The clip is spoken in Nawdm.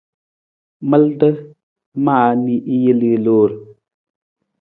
Malada maa na i jel i loor.